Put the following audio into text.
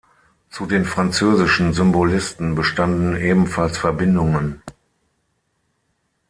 Zu den französischen Symbolisten bestanden ebenfalls Verbindungen.